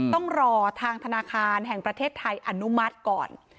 ต้องรอทางธนาคารแห่งประเทศไทยอนุมัติก่อน